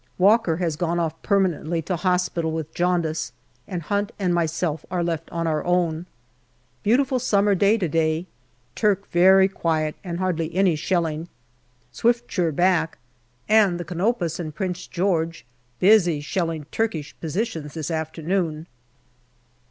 Walker has gone off permanently to hospital with jaundice, and Hunt and myself are left on our own. Beautiful summer day, to day. Turk very quiet and NOVEMBER 261 hardly any shelling. Swiftsure back, and the Canopus and Prince George busy shelling Turkish positions this afternoon.